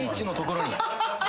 Ｈのところに。